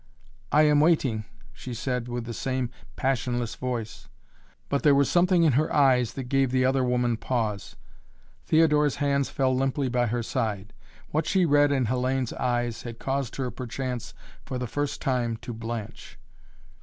"I am waiting," she said with the same passionless voice, but there was something in her eyes that gave the other woman pause. Theodora's hands fell limply by her side. What she read in Hellayne's eyes had caused her, perchance, for the first time, to blanch.